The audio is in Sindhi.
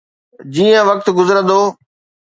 جيئن وقت گذرندو.